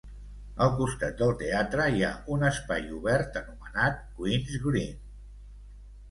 Al costat del teatre hi ha un espai obert anomenat Queen's Green.